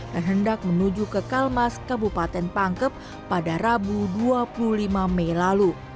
dan hendak menuju ke kalmas kabupaten pangkep pada rabu dua puluh lima mei lalu